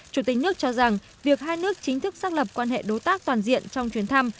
chủ tịch nước cho rằng việc hai nước chính thức xác lập quan hệ đối tác toàn diện trong chuyến thăm